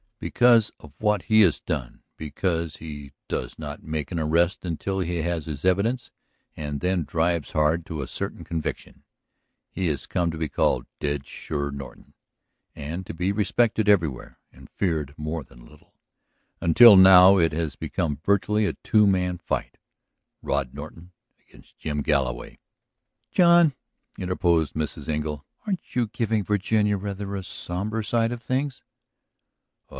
"Because of what he has done, because he does not make an arrest until he has his evidence and then drives hard to a certain conviction, he has come to be called Dead sure Norton and to be respected everywhere, and feared more than a little. Until now it has become virtually a two man fight. Rod Norton against Jim Galloway. ..." "John," interposed Mrs. Engle, "aren't you giving Virginia rather a sombre side of things?"